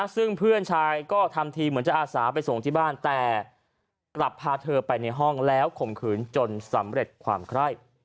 ซึ่งเพื่อนชายก็ทำทีเหมือนจะอาสาไปส่งที่บ้านแต่กลับพาเธอไปในห้องแล้วข่มขืนจนสำเร็จความไคร่